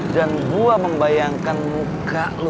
dan gue membayangkan muka lo